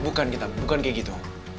bukan kita bukan kayak gitu